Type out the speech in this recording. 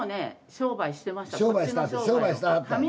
商売してはった。